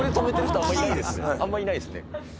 あんまいないですね。